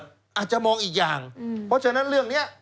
อาจจะมองอีกอย่างเพราะฉะนั้นเรื่องนี้